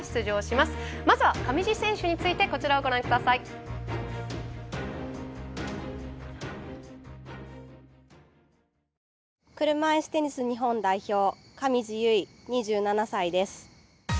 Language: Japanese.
まずは上地選手について車いすテニス日本代表上地結衣、２７歳です。